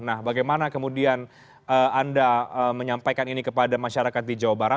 nah bagaimana kemudian anda menyampaikan ini kepada masyarakat di jawa barat